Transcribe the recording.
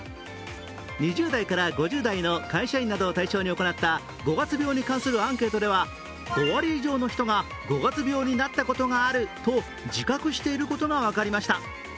２０代から５０代の会社員などを対象に行った五月病に関するアンケートでは、５割以上の人が五月病になったことがあると自覚していることが分かりました。